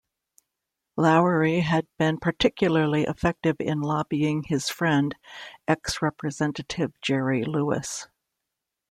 Lowery had been particularly effective in lobbying his friend, ex-Representative Jerry Lewis.